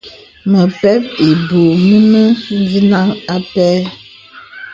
Məpɛ̂p ìbūū mìnə̀ mvinəŋ ā pɛ̂.